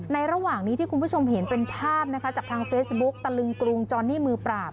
ระหว่างนี้ที่คุณผู้ชมเห็นเป็นภาพนะคะจากทางเฟซบุ๊กตะลึงกรุงจอนนี่มือปราบ